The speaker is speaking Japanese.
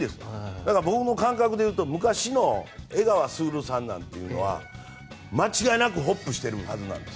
だから、僕の感覚で言うと昔の江川卓さんは間違いなくホップしてるはずです。